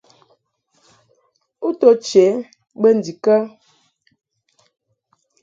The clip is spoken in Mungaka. U to che bə ndikə ?